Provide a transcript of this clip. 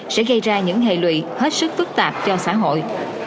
sẽ gây ra những hệ lụy hết sức phức tạp cho sản phẩm